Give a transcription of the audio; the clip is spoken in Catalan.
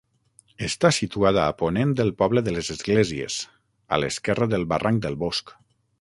Està situada a ponent del poble de les Esglésies, a l'esquerra del barranc del Bosc.